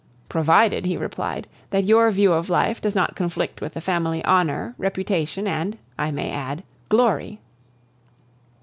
"Provided," he replied, "that your view of life does not conflict with the family honor, reputation, and, I may add, glory."